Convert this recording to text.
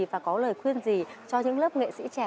và có lời khuyên gì cho những lớp nghệ sĩ trẻ